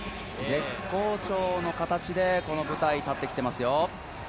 絶好調の形でこの舞台に立ってきていますよ。